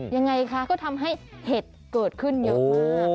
ยังไงคะก็ทำให้เห็ดเกิดขึ้นเยอะมาก